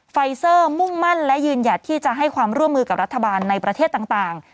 ไฟเซอร์มุ่งมั่นและยืนหยัดที่จะให้ความร่วมมือกับรัฐบาลในประเทศต่าง